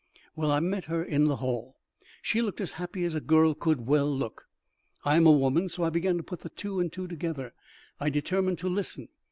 "Well, I met her in the hall. She looked as happy as a girl could well look. I am a woman, so I began to put two and two together. I determined to listen.